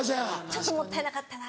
ちょっともったいなかったな。